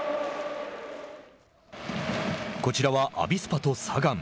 こちらはアビスパとサガン。